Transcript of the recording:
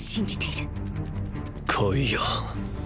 来いよ。